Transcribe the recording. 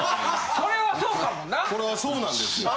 これはそうなんですよ。